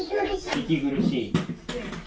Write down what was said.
息苦しい？